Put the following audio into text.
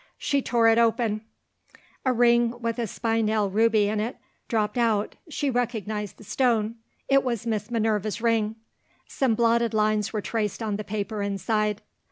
She tore it open. A ring with a spinel ruby in it dropped out: she recognised the stone it was Miss Minerva's ring. Some blotted lines were traced on the paper inside.